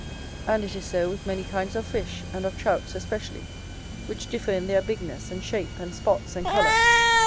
And it is so with many kinds of fish, and of Trouts especially; which differ in their bigness, and shape, and spots, and colour.